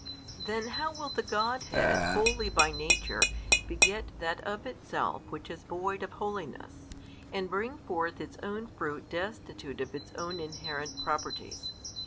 Then how will the Godhead Holy by Nature beget that of Itself which is void of holiness, and bring forth Its own Fruit destitute of Its own inherent Properties?